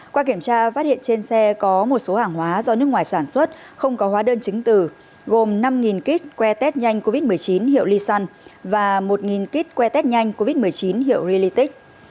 qua kiểm tra phát hiện trên xe có một số hàng hóa do nước ngoài sản xuất không có hóa đơn chứng từ gồm năm kit que test nhanh covid một mươi chín hiệu lisun và một kit que test nhanh covid một mươi chín hiệu rilitic